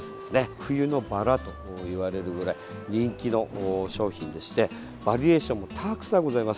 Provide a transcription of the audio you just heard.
冬のバラといわれるぐらい人気の商品でしてバリエーションもたくさんございます。